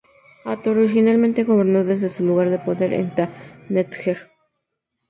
Hathor originalmente gobernó desde su lugar de poder en Ta-Netjer.